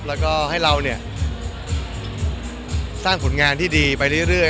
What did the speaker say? แล้วก็ให้เราเนี่ยสร้างผลงานที่ดีไปเรื่อย